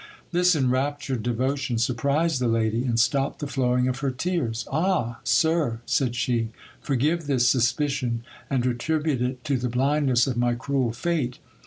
This enraptured devotion surprised the lady, and stopped the flowing of her tears, Ah ! sir, said she, forgive this suspicion, and attribute it to the blindness of my cruel fate.